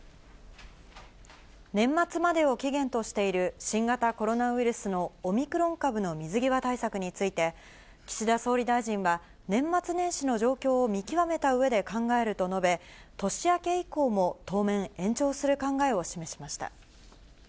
年末までを期限としている、新型コロナウイルスのオミクロン株の水際対策について、岸田総理大臣は、年末年始の状況を見極めたうえで考えると述べ、年明け以降も当面、延長する考えを示しました。